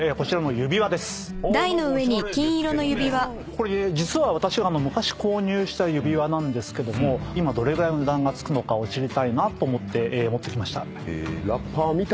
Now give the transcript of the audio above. これ実は私が昔購入した指輪なんですけども今どれぐらいの値段が付くのかを知りたいなと思って持ってきました。